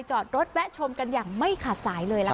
จอดรถแวะชมกันอย่างไม่ขาดสายเลยล่ะค่ะ